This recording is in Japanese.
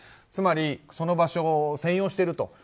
つまりその場所を占用していると。